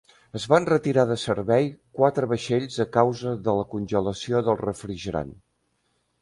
Es van retirar de servei quatre vaixells a causa de la congelació del refrigerant.